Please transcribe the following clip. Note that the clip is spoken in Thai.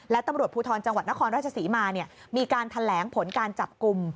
และตำรวจภูทรจังหวัดนครราชศรีมามีการแถลงผลการจับกลุ่ม